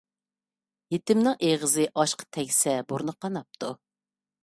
يېتىمنىڭ ئېغىزى ئاشقا تەگسە بۇرنى قاناپتۇ.